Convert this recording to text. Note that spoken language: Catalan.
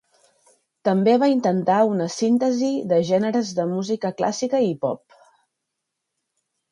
També va intentar una síntesi de gèneres de música clàssica i pop.